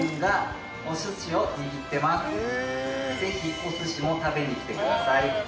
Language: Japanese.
ぜひお寿司も食べに来てください。